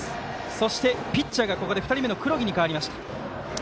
そしてピッチャーがここで２人目の黒木に代わりました。